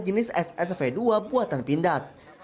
jenis ssv dua buatan pindad